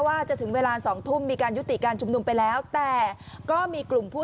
ว่าจะถึงเวลาสองทุ่มมีการยุติการชุมนุมไปแล้วแต่ก็มีกลุ่มผู้